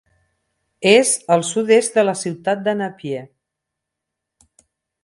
És al sud-est de la ciutat de Napier.